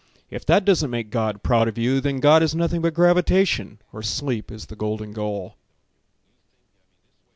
If that doesn't make God proud of you Then God is nothing but gravitation Or sleep is the golden goal.